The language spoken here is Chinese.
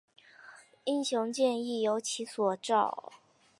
英雄剑亦由其所铸。